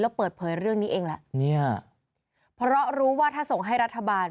แล้วเปิดเผยเรื่องนี้เองแหละเนี่ยเพราะรู้ว่าถ้าส่งให้รัฐบาล